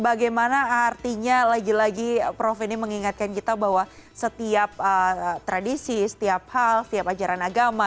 bagaimana artinya lagi lagi prof ini mengingatkan kita bahwa setiap tradisi setiap hal setiap ajaran agama